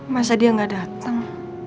masa dia gak datang